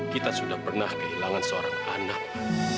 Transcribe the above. kita sudah pernah kehilangan seorang anak